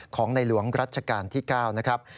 ของในหลวงรัชกาลที่๙นะครับ